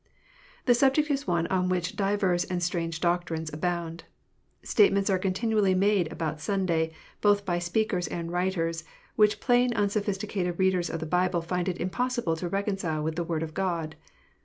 The subject is one on which "divers and strange doctrines" abound. Statements are continually made about Sunday, both by speakers and writers, which plain unsophisticated readers of the Bible find it impossible to reconcile with the Word of God.